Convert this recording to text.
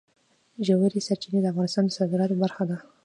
ژورې سرچینې د افغانستان د صادراتو برخه ده.